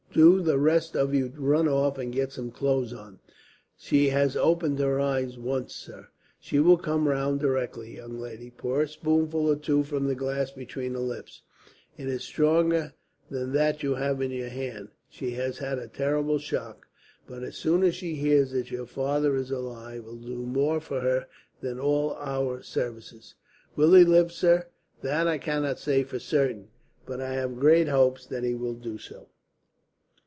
Do the rest of you run off and get some clothes on." "She has opened her eyes once, sir." "She will come round directly, young lady. Pour a spoonful or two from this glass between her lips. It is stronger than that you have in your hand. She has had a terrible shock, but as soon as she hears that your father is alive, it will do more for her than all our services." "Will he live, sir?" "That I cannot say for certain, but I have great hopes that he will do so.